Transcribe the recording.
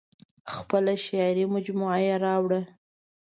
خپله شعري مجموعه یې راوړه.